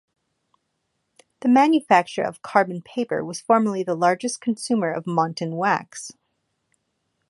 The manufacture of carbon paper was formerly the largest consumer of montan wax.